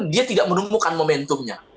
dia tidak menemukan momentumnya